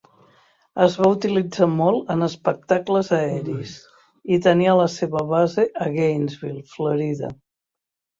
Es va utilitzar molt en espectacles aeris i tenia la seva base a Gainesville, Florida.